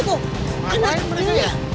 ngapain mereka ya